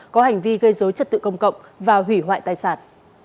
có hành vi gây dối trật tự công cộng và hủy hoại tài sản